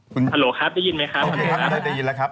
ฮัลโหลครับได้ยินไหมครับ